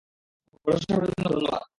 ভরসা করার জন্য ধন্যবাদ।